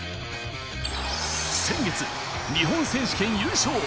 先月、日本選手権優勝。